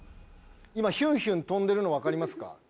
今ヒュンヒュン飛んでるのわかりますか？